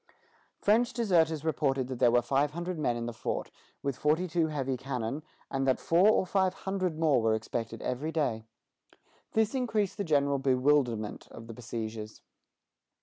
French deserters reported that there were five hundred men in the fort, with forty two heavy cannon, and that four or five hundred more were expected every day. This increased the general bewilderment of the besiegers.